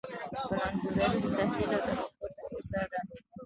پلانګذاري د تحلیل او تفکر پروسه ده.